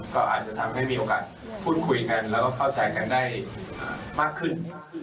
ก็อาจจะทำให้มีโอกาสพูดคุยกันแล้วก็เข้าใจกันได้มากขึ้น